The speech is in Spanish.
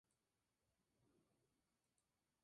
La melodía está en la voz superior.